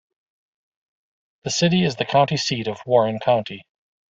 The city is the county seat of Warren County.